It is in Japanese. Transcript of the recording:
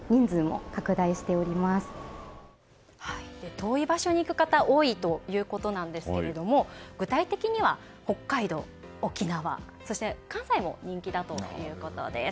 遠い場所に行く方が多いということなんですけれども具体的には、北海道、沖縄関西も人気だということです。